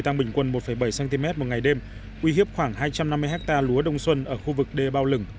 tăng bình quân một bảy cm một ngày đêm uy hiếp khoảng hai trăm năm mươi hectare lúa đông xuân ở khu vực đê bao lửng